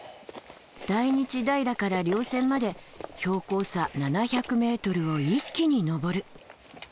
大日平から稜線まで標高差７００ｍを一気に登る。